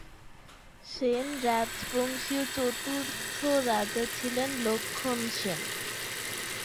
সেন রাজবংশীয় চতুর্থ রাজা ছিলেন লক্ষন সেন।